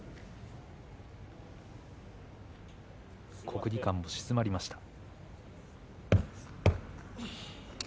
国技館も静まり返りました。